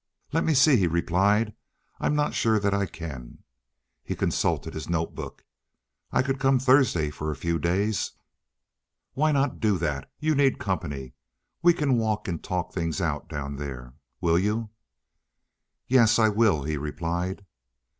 "Let me see," he replied. "I'm not sure that I can." He consulted his notebook. "I could come Thursday, for a few days." "Why not do that? You need company. We can walk and talk things out down there. Will you?" "Yes, I will," he replied.